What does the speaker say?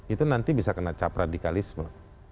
itu nanti bisa kena cap radikalisme